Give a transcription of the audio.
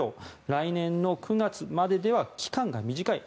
来年の９月まででは期間が短い。